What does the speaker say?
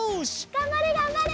がんばれがんばれ！